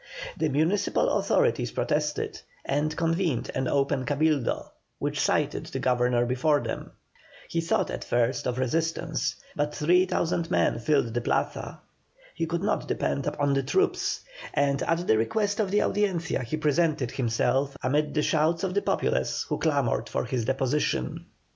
The municipal authorities protested, and convened an open Cabildo, which cited the Governor before them. He thought at first of resistance, but 3,000 men filled the Plaza. He could not depend upon the troops, and at the request of the Audiencia he presented himself, amid the shouts of the populace who clamoured for his deposition.